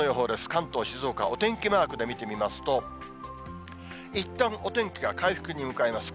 関東、静岡、お天気マークで見てみますと、いったん、お天気は回復に向かいます。